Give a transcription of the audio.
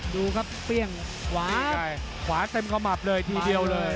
ดูครับเปรี้ยงขวาขวาเต็มขมับเลยทีเดียวเลย